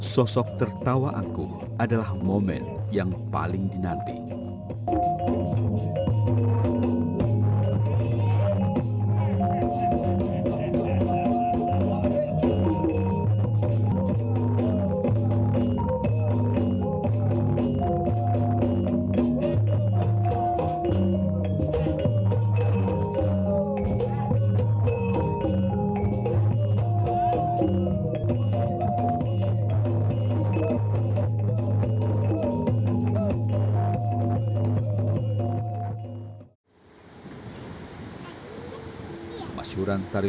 sosok tertawa aku adalah momen yang paling dinanti